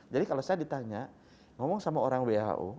jadi kalau saya ditanya ngomong sama orang who